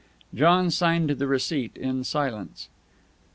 John signed the receipt in silence.